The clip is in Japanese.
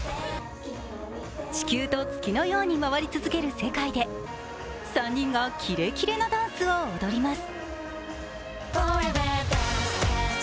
地球と月のように回り続ける世界で３人がキレキレなダンスを踊ります。